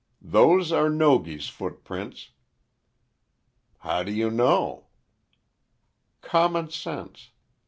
"Those are Nogi's footprints." "How do you know?" "Common sense.